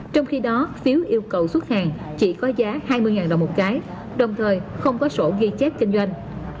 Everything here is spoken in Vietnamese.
trong khi đó phiếu yêu cầu xuất hàng chỉ có giá hai mươi đồng một cái đồng thời không có sổ ghi chép kinh doanh